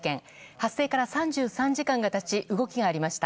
発生から３３時間がたち動きがありました。